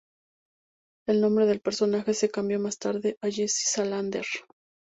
El nombre del personaje se cambió más tarde a Jesse Salander.